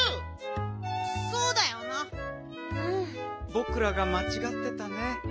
ぼくらがまちがってたね。